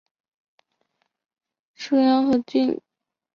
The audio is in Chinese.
属牂牁郡。